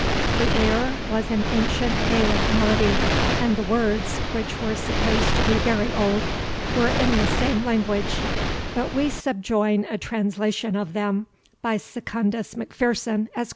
The air was an ancient Gaelic melody, and the words, which were supposed to be very old, were in the same language; but we subjoin a translation of them, by Secundus Macpherson, Esq.